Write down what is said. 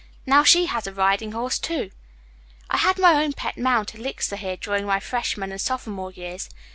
Now she has a riding horse, too." "I had my own pet mount, Elixir, here during my freshman and sophomore years.